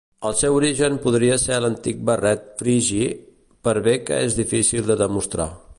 El seu origen podria ser l'antic barret frigi, per bé que és difícil de demostrar.